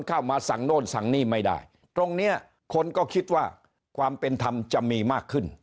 เข้ามาสั่งโน่นสั่งนี่ไม่ได้ตรงเนี้ยคนก็คิดว่าความเป็นธรรมจะมีมากขึ้น